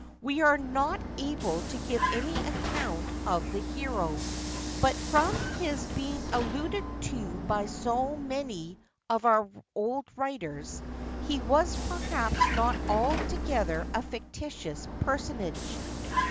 We are not able to give any account of the hero, but from his being alluded to by so many of our old writers, he was, perhaps, not altogether a fictitious personage.